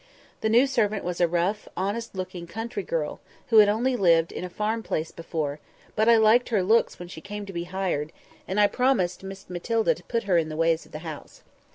The new servant was a rough, honest looking, country girl, who had only lived in a farm place before; but I liked her looks when she came to be hired; and I promised Miss Matilda to put her in the ways of the house.